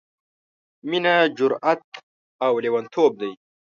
— مينه جرات او لېوانتوب دی...